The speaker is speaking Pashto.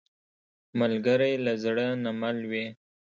ملګری له زړه نه مل وي